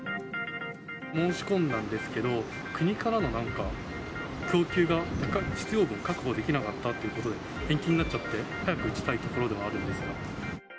申し込んだんですけれども、国からのなんか、供給が必要分確保できなかったということで、延期になっちゃって、早く打ちたいところではあるんですが。